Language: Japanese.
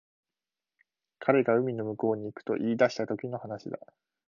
彼が海の向こうに行くと言い出したときの話だ